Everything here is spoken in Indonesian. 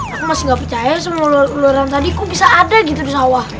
aku masih gak percaya semua uluran tadi kok bisa ada gitu di sawah